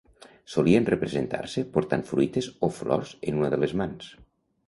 Solien representar-se portant fruites o flors en una de les mans.